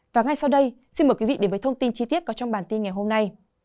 và ngay sau đây xin mời quý vị đến với thông tin chi tiết có trong bản tin ngày hôm nay